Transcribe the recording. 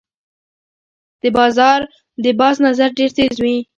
د باز نظر ډیر تېز وي